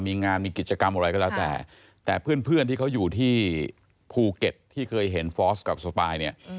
มีงานมีกิจกรรมอะไรก็แล้วแต่แต่เพื่อนที่เขาอยู่ที่ภูเก็ตที่เคยเห็นฟอสกับสปายเนี่ย